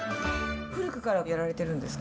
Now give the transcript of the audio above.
古くからやられてるんですかね？